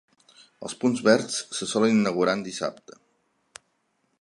Els punts verds se solen inaugurar en dissabte.